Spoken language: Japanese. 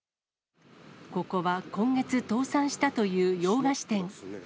ここは今月倒産したという洋菓子店。